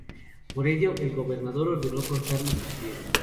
Por ello, el gobernador ordenó cortarle sus pies.